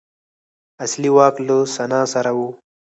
اصلي واک له سنا سره و.